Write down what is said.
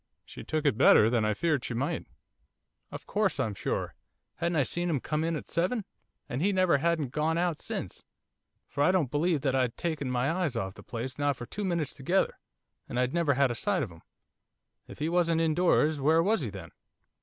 She took it better than I feared she might. 'Of course I'm sure, hadn't I seen him come in at seven, and he never hadn't gone out since, for I don't believe that I'd taken my eyes off the place not for two minutes together, and I'd never had a sight of him. If he wasn't indoors, where was he then?